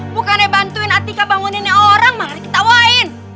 bukannya bantuin atika bangunin orang malah diketawain